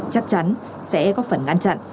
chắc chắn sẽ có phần ngăn chặn